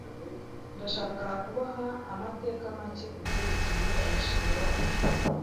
Ndashaka kubaha amateka make kubyerekeye umushinga wacu.